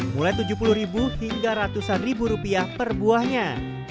mulai tujuh puluh hingga ratusan ribu rupiah per buahnya